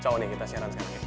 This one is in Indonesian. coba nih kita siaran sekarang ya